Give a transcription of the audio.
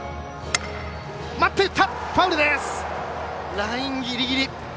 ラインギリギリ。